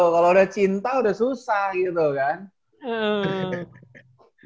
kalau udah cinta udah susah gitu kan